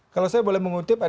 kalau saya boleh mengutip